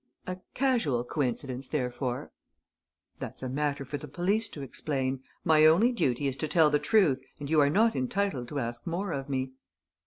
"A casual coincidence, therefore?" "That's a matter for the police to explain. My only duty is to tell the truth and you are not entitled to ask more of me."